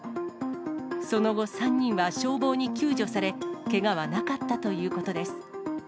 その後、３人は消防に救助され、けがはなかったということです。